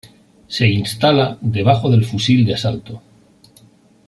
Se instala debajo del fusil de asalto.